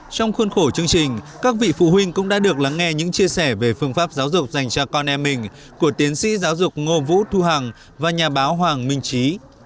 trong khuôn khổ chương trình các vị phụ huynh cũng đã được lắng nghe những chia sẻ về phương pháp giáo dục dành cho con em mình của tiến sĩ giáo dục ngô vũ thu hằng và nhà báo hoàng minh trí